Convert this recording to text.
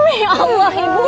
ya allah ibu